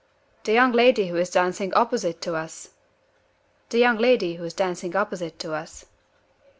"The young lady who is dancing opposite to us?" "The young lady who is dancing opposite to us."